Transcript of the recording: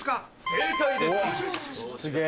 正解です。